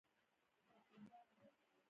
تر خپل بیرغ لاندي را ټولېدلو ته را وبلل.